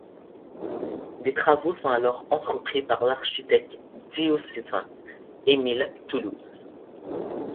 Des travaux sont alors entrepris par l'architecte diocésain Émile Toulouse.